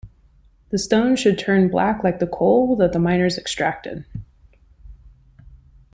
The stone should turn black like the coal that the miners extracted.